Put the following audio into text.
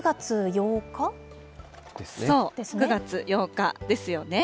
そう、９月８日ですよね。